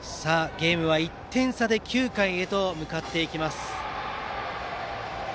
ゲームは１点差で９回へ向かいます。